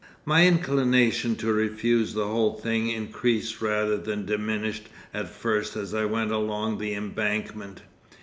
My inclination to refuse the whole thing increased rather than diminished at first as I went along the Embankment.